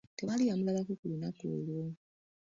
Tewali yamulabako ku lunaku olwo.